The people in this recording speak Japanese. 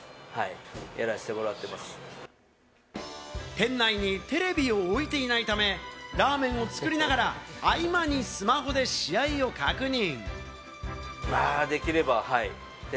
店内にテレビを置いていないため、ラーメンを作りながら、合間にスマホで試合を確認。